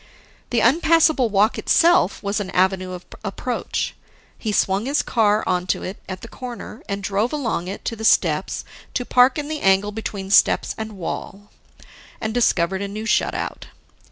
The unpassable walk itself was an avenue of approach. He swung his car onto it at the corner, and drove along it to the steps to park in the angle between steps and wall and discovered a new shut out.